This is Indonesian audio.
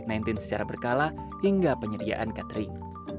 dan kemampuan secara berkala hingga penyediaan catering